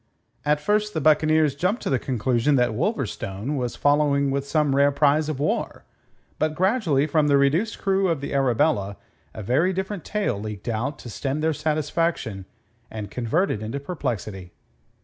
At first the buccaneers jumped to the conclusion that Wolverstone was following with some rare prize of war, but gradually from the reduced crew of the Arabella a very different tale leaked out to stem their satisfaction and convert it into perplexity.